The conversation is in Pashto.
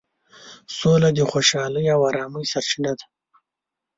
سوله د خوشحالۍ او ارامۍ سرچینه ده.